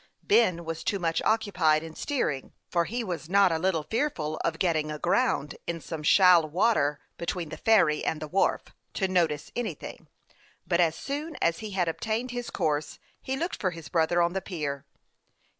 Ben was too much occupied in steering for he was not a little fearful of getting aground in some shoal water between the ferry and the wharf to notice anything ; but as soon as he had obtained his course, he looked for his brother on the pier.